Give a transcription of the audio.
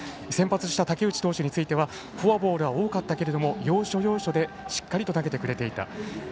先発した武内投手についてはフォアボールは多かったけれども要所要所でしっかりと投げてくれていた。